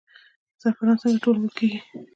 زعفران څنګه ټولول کیږي؟